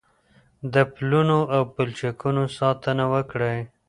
د پلونو او پلچکونو ساتنه وکړئ.